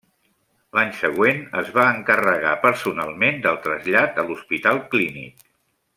L'any següent es va encarregar personalment del trasllat a l'Hospital Clínic.